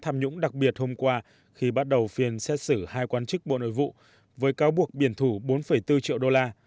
tòa án tham nhũ đặc biệt hôm qua khi bắt đầu phiên xét xử hai quan chức bộ nội vụ với cáo buộc biển thủ bốn bốn triệu usd